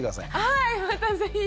はいまたぜひ。